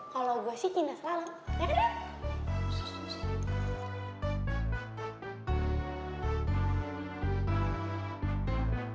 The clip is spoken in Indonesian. kalau gue sih kina selalu